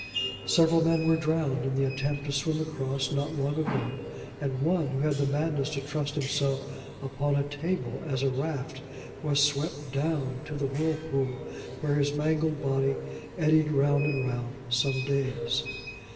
Several men were drowned in the attempt to swim across, not long ago; and one, who had the madness to trust himself upon a table as a raft, was swept down to the whirlpool, where his mangled body eddied round and round some days.